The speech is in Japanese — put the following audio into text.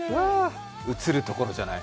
映るところじゃない。